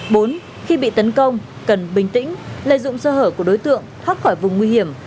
bốn khi bị tấn công cần bình tĩnh lợi dụng sơ hở của đối tượng thoát khỏi vùng nguy hiểm